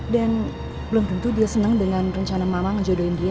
dan belum tentu dia senang dengan rencana mamah ngejodohin dia